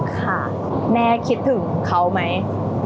ค่ะแม่คิดถึงเขาไหม